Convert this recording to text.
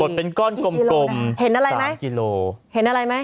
เป็นก้อนกลมกลมเห็นอะไรไหมกิโลเห็นอะไรไหม